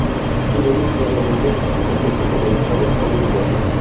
Y no necesariamente acontece con relámpagos o inundación.